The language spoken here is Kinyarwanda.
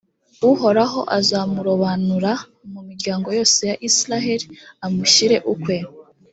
uhoraho azamurobanura mu miryango yose ya israheli amushyire ukwe,